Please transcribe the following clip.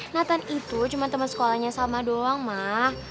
natan itu cuma temen sekolahnya salma doang mah